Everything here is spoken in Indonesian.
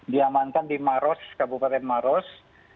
diamankan di maros kabupaten maros